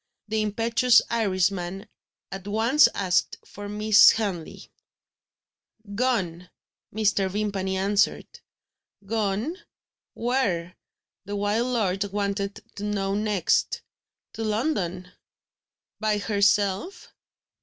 The impetuous Irishman at once asked for Miss Henley. "Gone," Mr. Vimpany answered "Gone where?" the wild lord wanted to know next. "To London." "By herself?"